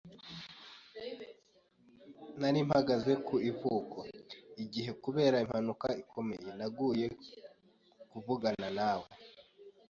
Nari mpagaze ku kivuko, igihe, kubera impanuka ikomeye, naguye kuvugana nawe. I.